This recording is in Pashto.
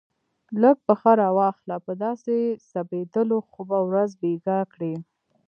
لږ پښه را واخله، په داسې ځبېدلو خو به ورځ بېګا کړې.